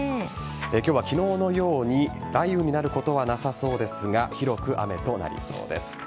今日は昨日のように雷雨になることはなさそうですが広く雨となりそうです。